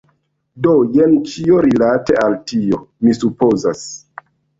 Do, jen ĉio, rilate al tio. Mi supozas.